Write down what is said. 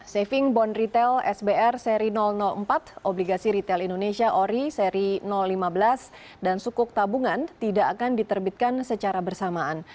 saving bond retail sbr seri empat obligasi retail indonesia ori seri lima belas dan sukuk tabungan tidak akan diterbitkan secara bersamaan